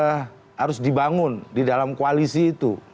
harus dibangun di dalam koalisi itu